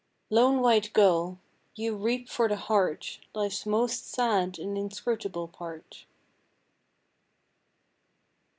Lone white gull, you reap for the heart Life's most sad and inscrutable part.